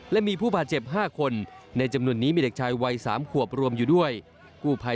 และมีผู้บาดเจ็บ๕คนในจำนวนนี้มีเด็กชายวัย๓ขวบรวมอยู่ด้วยกู้ภัย